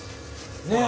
ねえ！